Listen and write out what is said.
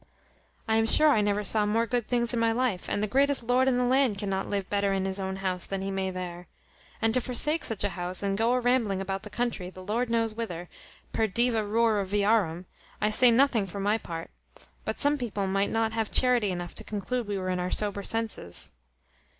I am sure I never saw more good things in my life, and the greatest lord in the land cannot live better in his own house than he may there. And to forsake such a house, and go a rambling about the country, the Lord knows whither, per devia rura viarum, I say nothing for my part; but some people might not have charity enough to conclude we were in our sober senses."